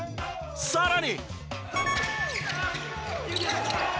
さらに。